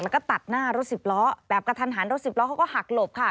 แล้วก็ตัดหน้ารถสิบล้อแบบกระทันหันรถสิบล้อเขาก็หักหลบค่ะ